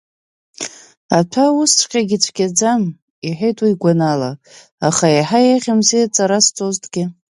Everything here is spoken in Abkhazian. Аҭәа усҵәҟьагьы ицәгьаӡам, — иҳәеит уи игәаныла, аха иаҳа еиӷьымзи аҵара сҵозҭгьы!